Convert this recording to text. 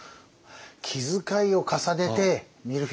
気遣いを重ねて見るフィーユ。